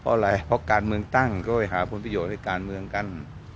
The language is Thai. เพราะอะไรเพราะการเมืองตั้งก็ไปหาผลประโยชน์ให้การเมืองกัน